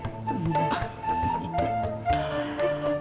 tidak akan pernah kasar sama kamu